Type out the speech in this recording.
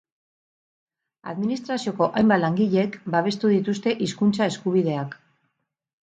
Administrazioko hainbat langilek babestu dituzte hizkuntza eskubideak.